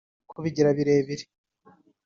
kubigira birebire.